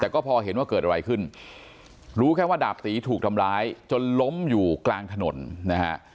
แต่ก็พอเห็นว่าเกิดอะไรขึ้นรู้แค่ว่าดาบตีถูกทำร้ายจนล้มอยู่กลางถนนนะฮะ